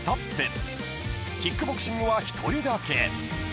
［キックボクシングは１人だけ］